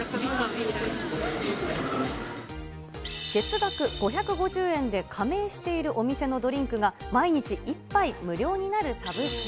月額５５０円で、加盟しているお店のドリンクが毎日１杯無料になるサブスク。